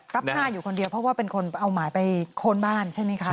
รับหน้าอยู่คนเดียวเพราะว่าเป็นคนเอาหมายไปค้นบ้านใช่ไหมคะ